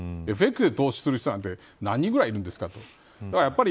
ＦＸで投資する人なんて何人ぐらいいるんですかと。